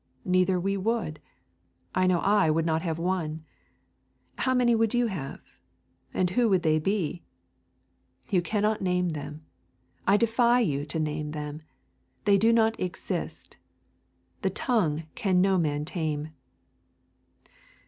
Neither we would. I know I would not have one. How many would you have? And who would they be? You cannot name them. I defy you to name them. They do not exist. The tongue can no man tame.